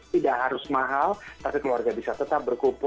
tidak harus mahal tapi keluarga bisa tetap berkumpul